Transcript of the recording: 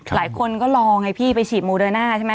หลายคนก็รอไงพี่ไปฉีดโมเดอร์น่าใช่ไหม